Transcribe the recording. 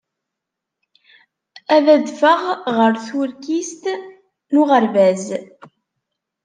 Ad adfeɣ ɣer tuṛkist n uɣerbaz.